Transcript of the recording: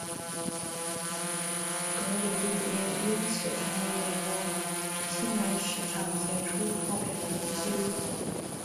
格里利也因此成为了美国新闻史上杰出报人之一。